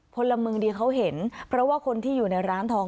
พลเมืองดีเขาเห็นเพราะว่าคนที่อยู่ในร้านทอง